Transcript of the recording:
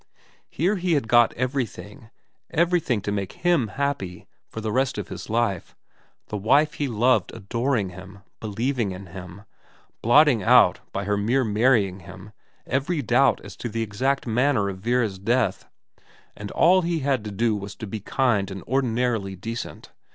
Here he had got everything, everything to make hiTr> happy for the rest of his life, the wife he loved adoring him, believing in him, blotting out by her mere marrying him every doubt as to the exact manner of Vera's death, and all he had to do was to be kind and ordinarily decent.